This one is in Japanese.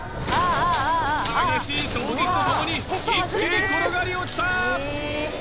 激しい衝撃とともに一気に転がり落ちた！